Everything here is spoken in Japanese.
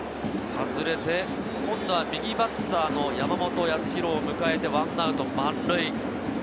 外れて今度は右バッターの山本泰寛を迎えて１アウト満塁。